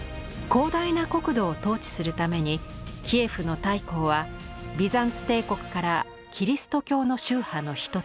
広大な国土を統治するためにキエフの大公はビザンツ帝国からキリスト教の宗派の一つ正教を導入。